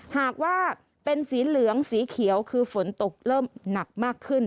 หากว่าเป็นสีเหลืองสีเขียวคือฝนตกเริ่มหนักมากขึ้น